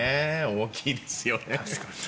大きいですよね。